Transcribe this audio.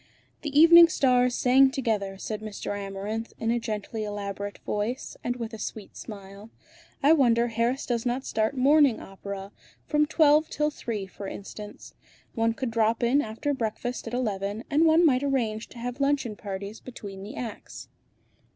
"The evening stars sang together!" said Mr. Amarinth, in a gently elaborate voice, and with a sweet smile. "I wonder Harris does not start morning opera; from twelve till three for instance. One could drop in after breakfast at eleven, and one might arrange to have luncheon parties between the acts."